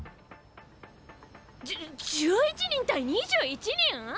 じゅ１１人対２１人！？